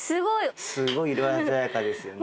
すごい色鮮やかですよね。